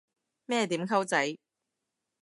咩點溝仔